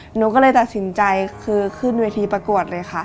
หนูก็เลยตัดสินใจคือขึ้นเวทีประกวดเลยค่ะ